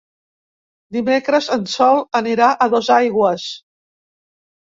Dimecres en Sol anirà a Dosaigües.